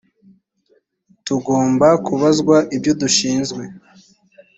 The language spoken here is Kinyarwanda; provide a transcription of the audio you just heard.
tugomba kubazwa ibyo dushinzwe